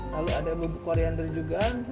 lalu ada bubuk koriander juga